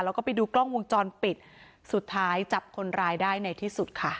แล้วก็ไปดูกล้องวงจรปิดสุดท้ายจับคนร้ายได้ในที่สุดค่ะ